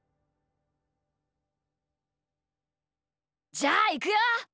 じゃあいくよ？